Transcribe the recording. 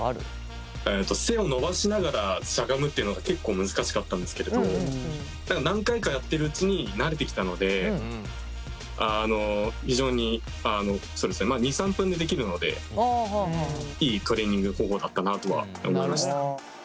背を伸ばしながらしゃがむっていうのが結構難しかったんですけれど何回かやっているうちに慣れてきたので非常に２３分でできるのでいいトレーニング方法だったなとは思いました。